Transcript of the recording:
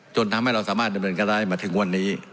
จนทำให้เราสามารถดำเนินการได้มาถึงวันนี้